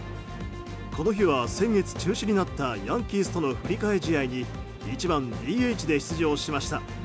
この日は、先月中止になったヤンキースとの振り替え試合に１番ＤＨで出場しました。